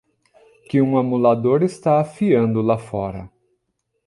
que um amolador está afiando lá fora